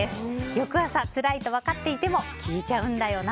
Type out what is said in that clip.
翌朝、つらいと分かっていても聴いちゃうんだよな。